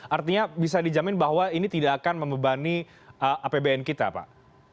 artinya bisa dijamin bahwa ini tidak akan membebani apbn kita pak